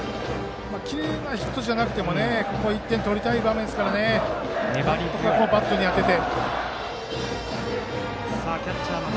きれいなヒットじゃなくても１点取りたい場面ですからなんとかバットに当てて。